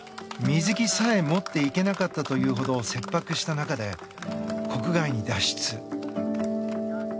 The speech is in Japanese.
水着さえ持っていけなかったというほど切迫した中で、国外に脱出。